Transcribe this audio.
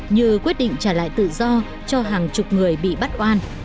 như quyết định trả lại tự do cho hàng chục người bị bắt oan